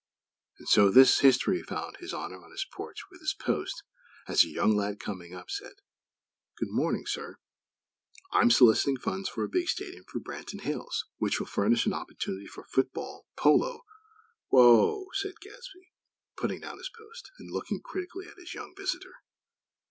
And so this history found His Honor on his porch with his "Post" as a young lad, coming up, said; "Good morning, sir. I'm soliciting funds for a big stadium for Branton Hills, which will furnish an opportunity for football, polo, " "Whoa!" said Gadsby, putting down his "Post" and looking critically at his young visitor.